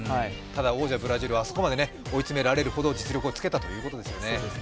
ただ王者ブラジルをあそこまで追い詰められるほど実力をつけたということですね。